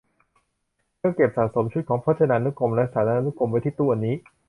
เธอเก็บสะสมชุดของพจนานุกรมและสารานุกรมไว้ที่ตู้อันนี้